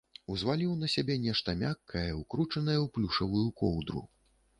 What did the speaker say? Узваліў на сябе нешта мяккае, укручанае ў плюшавую коўдру.